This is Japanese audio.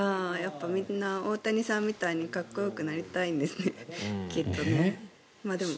みんな大谷さんみたいにかっこよくなりたいんですねきっとね。